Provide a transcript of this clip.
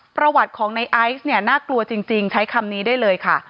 ประวัติของในไอซ์เนี่ยน่ากลัวจริงใช้คำนี้ได้เลยค่ะ